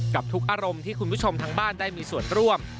กับทุกอารมณ์ที่คุณผู้ชมทางบ้านได้มีส่วนร่วม